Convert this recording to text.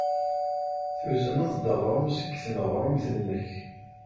Tuzneḍ-d aɣrum seg tneɣrumt-nnek.